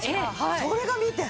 それが見て！